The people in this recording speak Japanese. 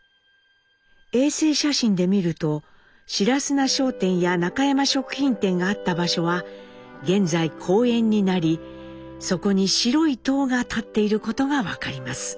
衛星写真で見ると白砂商店や中山食品店があった場所は現在公園になりそこに白い塔が立っていることが分かります。